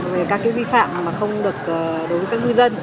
về các vi phạm mà không được đối với các ngư dân